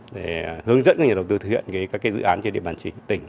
để hướng dẫn các nhà đầu tư thực hiện các dự án trên địa bàn tỉnh